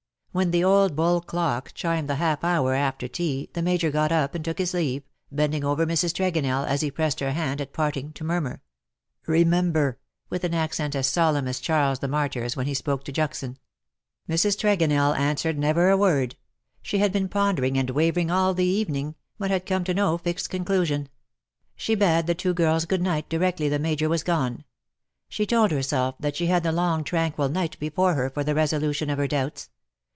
When the old buhl clock chimed the half hour after ten the Major got up and took his leave, bending over Mrs. Tregonell as he pressed her hand at parting to murmur :" Remember,'^ with an accent as solemn as Charles the Martyr's when he spoke to Juxon. Mrs. Tregonell answered never a word. She had been pondering and wavering all the evening, but had come to no fixed conclusion. She bade the two girls good night directly the Major was gone. She told herself that she had the long tranquil night before her for the resolution of her doubts.